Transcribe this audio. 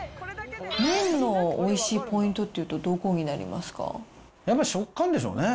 麺のおいしいポイントっていうと、やっぱり食感でしょうね。